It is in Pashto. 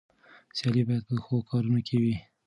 سيالي بايد په ښو کارونو کې وي.